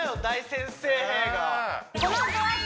大先生が